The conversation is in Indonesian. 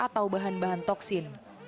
atau bahan bahan toksin